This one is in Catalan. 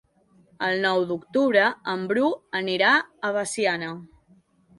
El nou d'octubre en Bru anirà a Veciana.